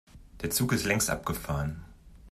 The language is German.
Der Zug ist längst abgefahren.